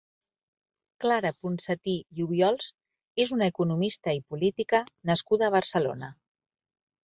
Clara Ponsatí i Obiols és una economista i política nascuda a Barcelona.